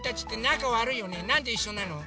なんでいっしょなの？